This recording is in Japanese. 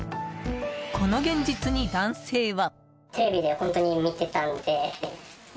この現実に男性は。